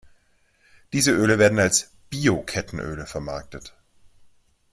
Diese Öle werden als „Bio-Kettenöl“ vermarktet.